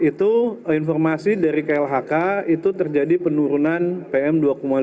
itu informasi dari klhk itu terjadi penurunan pm dua lima